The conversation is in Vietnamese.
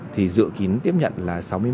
thì dự kiến tiếp nhận là